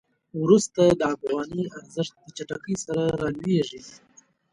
وروسته د افغانۍ ارزښت په چټکۍ سره رالویږي.